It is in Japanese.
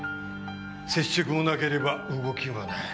接触もなければ動きもない。